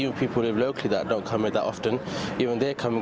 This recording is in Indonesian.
bahkan orang orang yang hidup di luar yang tidak datang begitu sering